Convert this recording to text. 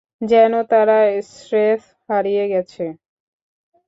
যেন তারা স্রেফ হারিয়ে গেছে।